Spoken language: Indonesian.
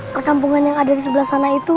perkampungan yang ada di sebelah sana itu